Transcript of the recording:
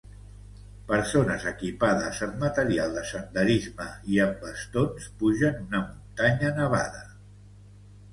Persones equipades amb material de senderisme i amb bastons pugen una muntanya nevada.